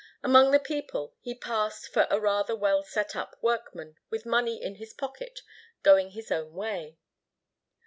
Among the people, he passed for a rather well set up workman with money in his pocket going his own way.